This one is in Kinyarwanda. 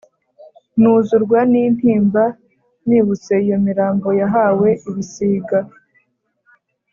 Nuzurwa n’intimba Nibutse iyo mirambo Yahawe ibisiga